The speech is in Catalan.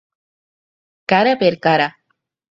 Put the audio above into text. Cara per cara.